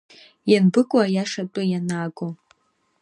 Ианбыкәу аиаша атәы ианаго…